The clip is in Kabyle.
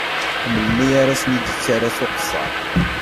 Ḥemmlen mi ara sen-d-yettara s uqesser.